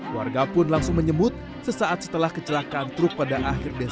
warga pun langsung menyemut sesaat setelah kecelakaan truk pada akhir desember